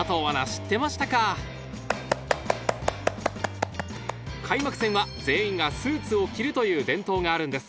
知ってましたか開幕戦は全員がスーツを着るという伝統があるんです